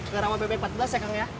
ke rumah bp empat belas ya kang ya